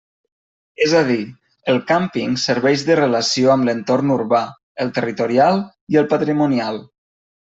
És a dir, el càmping serveix de relació amb l'entorn urbà, el territorial i el patrimonial.